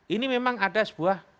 ini memang ada sebuah